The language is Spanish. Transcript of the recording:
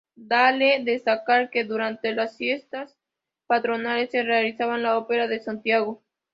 Vale destacar que durante las fiestas patronales se realizaba la opera de Santiago.